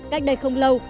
cách đây không lâu